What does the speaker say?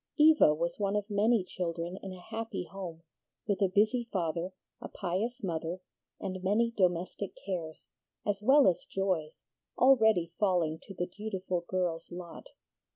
Eva was one of many children in a happy home, with a busy father, a pious mother, and many domestic cares, as well as joys, already falling to the dutiful girl's lot.